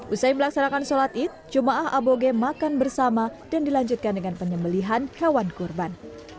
usai melaksanakan sholat id jemaah aboge makan bersama dan dilanjutkan dengan penyembelihan hewan kurban